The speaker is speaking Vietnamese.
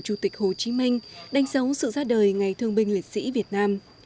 chủ tịch hồ chí minh đánh dấu sự ra đời ngày thương binh liệt sĩ việt nam